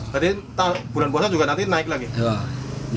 jadi bulan puasa juga nanti naik lagi